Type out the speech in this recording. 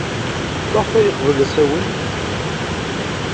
Maɣef ay yeqqel d asawen?